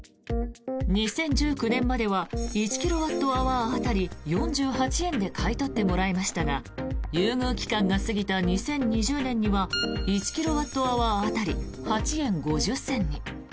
２０１９年までは１キロワットアワー当たり４８円で買い取ってもらえましたが優遇期間が過ぎた２０２０年には１キロワットアワー当たり８円５０銭に。